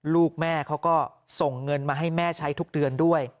ลูกแม่เขาก็ส่งเงินมาให้แม่ใช้ทุกเดือนด้วย